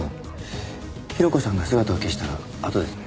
広子さんが姿を消したあとですね。